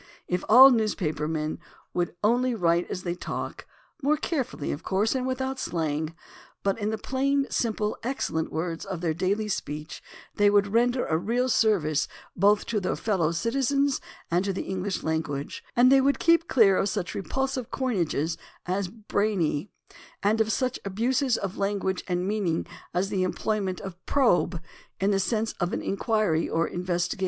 If all news paper men would only write as they talk, more care fully, of course, and without slang, but in the plain, simple, excellent words of their daily speech, they would render a real service both to their fellow citizens and to the English language, and they would keep clear of such repulsive coinages as "brainy," and of such abuses of language and meaning as the emploj^ ment of "probe" in the sense of an inquiry or investi gation.